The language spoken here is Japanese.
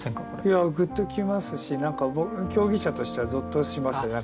いやグッときますし何か競技者としてはゾッとしますよね。